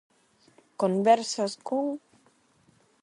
Conversas con...